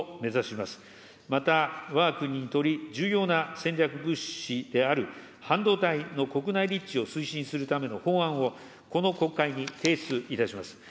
また、わが国にとり重要な戦略物資である半導体の国内立地を推進するための法案を、この国会に提出いたします。